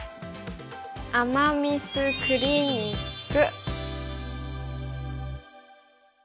“アマ・ミス”クリニック。